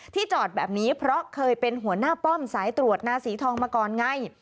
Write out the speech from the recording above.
จอดแบบนี้เพราะเคยเป็นหัวหน้าป้อมสายตรวจนาสีทองมาก่อนไง